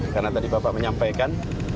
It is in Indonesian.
karena tadi bapak menyampaikan